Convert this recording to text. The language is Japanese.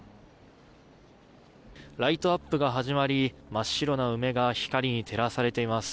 ライトアップが始まり真っ白な梅が光に照らされています。